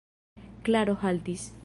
Klaro haltis.